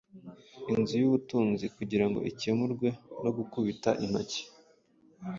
inzu yubutunzi kugirango ikemurwe no gukubita intoki